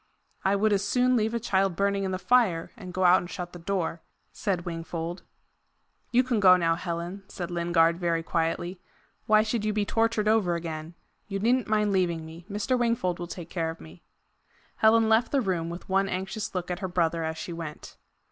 "I would as soon leave a child burning in the fire, and go out and shut the door," said Wingfold. "You can go now, Helen," said Lingard very quietly. "Why should you be tortured over again? You needn't mind leaving me. Mr. Wingfold will take care of me." Helen left the room, with one anxious look at her brother as she went.